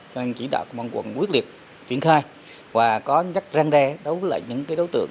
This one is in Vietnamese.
cho nên chỉ đạo một quận quyết liệt tuyển khai và có nhắc răng đe đấu với những đối tượng